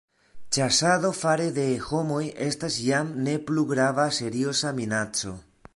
Ĉasado fare de homoj estas jam ne plu grava serioza minaco.